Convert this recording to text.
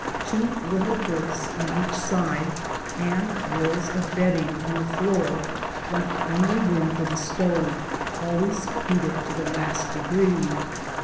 Two little berths on each side, and rolls of bedding on the floor, left only room for the stove, always heated to the last degree.